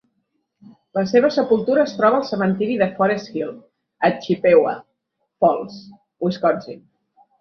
La seva sepultura es troba al cementiri de Forest Hill a Chippewa Falls, Wisconsin.